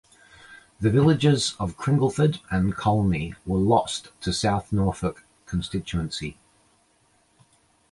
The villages of Cringleford and Colney were lost to South Norfolk constituency.